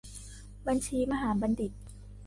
บัญชีมหาบัณฑิต